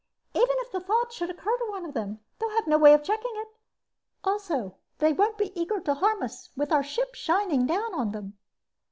"Even if the thought should occur to them they'll have no way of checking it. Also, they won't be eager to harm us with our ship shining down on them."